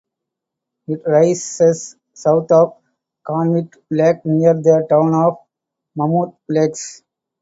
It rises south of Convict Lake near the town of Mammoth Lakes.